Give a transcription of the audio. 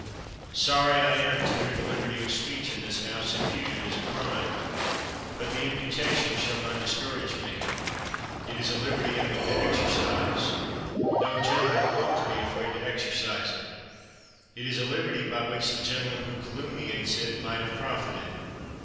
Sorry I am to hear the liberty of speech in this House imputed as a crime. But the im putation shall not discourage me. It is a liberty I mean to exercise. No gentleman ought to be afraid to exercise it. It is a liberty by which the gentleman who calumniates it might have profited.